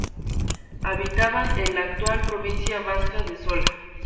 Habitaban en la actual provincia vasca de Sola.